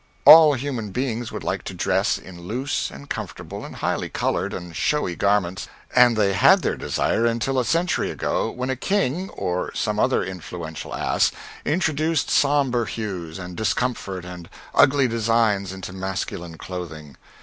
All human beings would like to dress in loose and comfortable and highly colored and showy garments, and they had their desire until a century ago, when a king, or some other influential ass, introduced sombre hues and discomfort and ugly designs into masculine clothing.